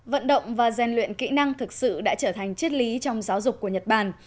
vận động và gian luyện kỹ năng thực sự đã trở thành chiết lý trong giáo dục của nhật bản